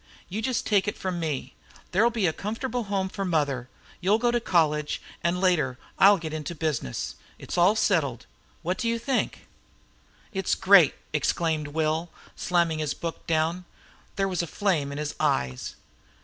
You just take this from me: there'll be a comfortable home for mother, you'll go to college, and later I'll get into business. It's all settled. What do you think of it?" "It's great!" exclaimed Will, slamming down his book. There was a flame in his eyes.